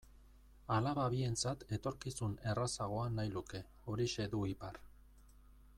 Alaba bientzat etorkizun errazagoa nahi luke, horixe du ipar.